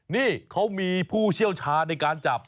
นี่เขามีผู้เชี่ยวชาญในการจับ